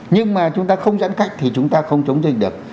nhưng mà chúng ta không giãn cách thì chúng ta không chống dịch được